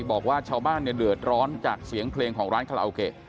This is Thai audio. บอกว่าชาวบ้านเนี่ยเดือดร้อนจากเสียงเพลงของร้านคาราโอเกะ